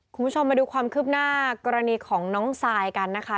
คุณผู้ชมมาดูความคืบหน้ากรณีของน้องซายกันนะคะ